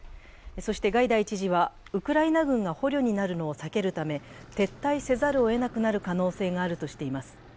そしてガイダイ知事は、ウクライナ軍が捕虜になるのを避けるため、撤退せざるをえなくなる可能性があるとしています。